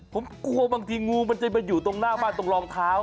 ผมกลัวบางทีงูมันจะมาอยู่ตรงหน้าบ้านตรงรองเท้า